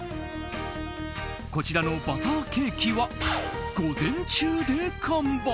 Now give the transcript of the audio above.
こちらのバターケーキは午前中で完売。